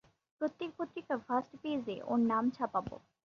প্রত্যেক পত্রিকার ফার্স্ট পেজে ওর নাম ছাপাবো।